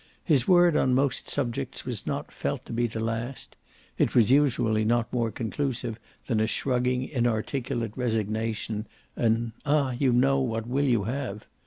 His word on most subjects was not felt to be the last (it was usually not more conclusive than a shrugging inarticulate resignation, an "Ah you know, what will you have?")